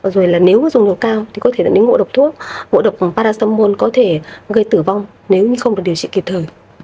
rồi là nếu dùng liều cao thì có thể dẫn đến ngộ độc thuốc ngộ độc paracetamol có thể gây tử vong nếu không được điều trị kịp thời